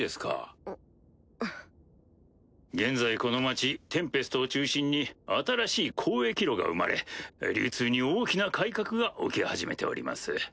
現在この町テンペストを中心に新しい交易路が生まれ流通に大きな改革が起き始めております。